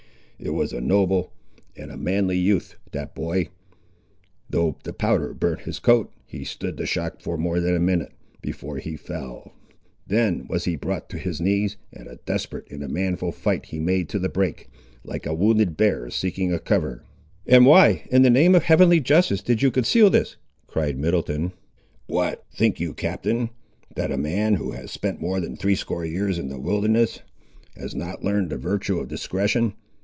It was a noble and a manly youth, that boy—Though the powder burnt his coat, he stood the shock for more than a minute, before he fell. Then was he brought to his knees, and a desperate and manful fight he made to the brake, like a wounded bear seeking a cover!" "And why, in the name of heavenly justice, did you conceal this?" cried Middleton. "What! think you, Captain, that a man, who has spent more than threescore years in the wilderness, has not learned the virtue of discretion.